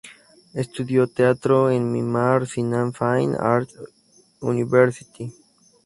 Estudió teatro en Mimar Sinan Fine Arts University.